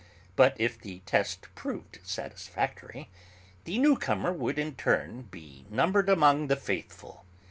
But if the test proved satisfactory, the newcomer would in turn be numbered among the 'faithful.'